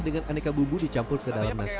dengan aneka bumbu dicampur ke dalam nasi